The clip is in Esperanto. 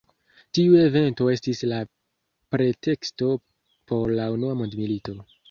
Tiu evento estis la preteksto por la Unua mondmilito.